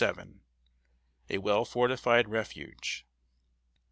_ [Sidenote: A WELL FORTIFIED REFUGE.